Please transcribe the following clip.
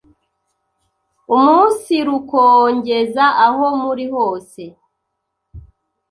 umunsirukongeza aho muri hose